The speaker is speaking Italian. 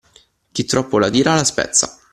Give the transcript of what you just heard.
Chi troppo la tira la spezza.